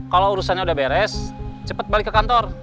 kalau urusannya udah beres cepat balik ke kantor